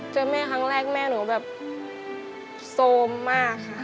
เจอแม่ครั้งแรกแม่หนูแบบโซมมากค่ะ